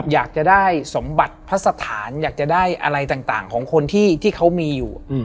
อยากจะได้สมบัติพระสถานอยากจะได้อะไรต่างของคนที่เขามีอยู่